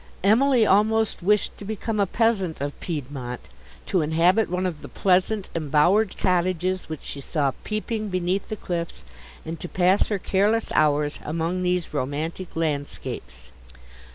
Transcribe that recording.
—Emily almost wished to become a peasant of Piedmont, to inhabit one of the pleasant embowered cottages which she saw peeping beneath the cliffs, and to pass her careless hours among these romantic landscapes.